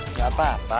gak apa pak